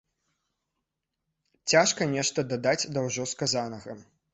Цяжка нешта дадаць да ўжо сказанага.